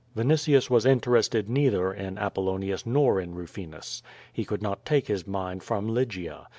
Vinitius was interested, neither in ApoUonius or in Rufi nus. He could not take his mind from Lygia.